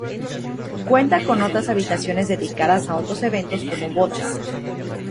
Cuenta con otras habitaciones dedicadas a otros eventos como bodas.